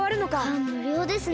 かんむりょうですね。